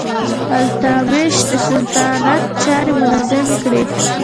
التتمش د سلطنت چارې منظمې کړې.